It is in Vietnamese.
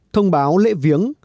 thông báo lễ viếng